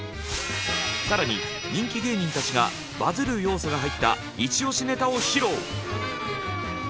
更に人気芸人たちがバズる要素が入ったイチ押しネタを披露！